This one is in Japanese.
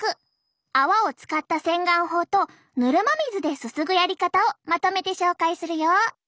泡を使った洗顔法とぬるま水ですすぐやり方をまとめて紹介するよ。